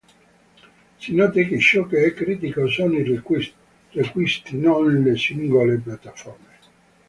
Si noti che ciò che è critico sono i requisiti, non le singole piattaforme.